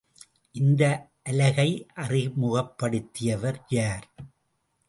இந்த அலகை அறிமுகப்படுத்தியவர் யார்?